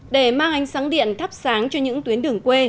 để mang ánh sáng điện thắp sáng cho những tuyến đường quê